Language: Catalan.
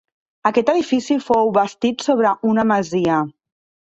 Aquest edifici fou bastit sobre una masia.